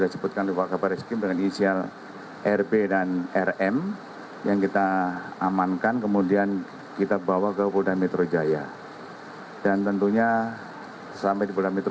sudah lama banget